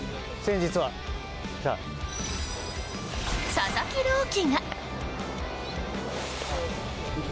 佐々木朗希が！